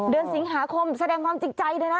เดือนสิงหาคมแสดงความจริงใจด้วยนะ